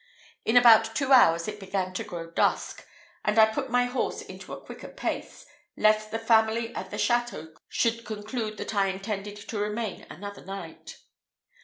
In about two hours it began to grow dusk, and I put my horse into a quicker pace, lest the family at the château should conclude that I intended to remain another night.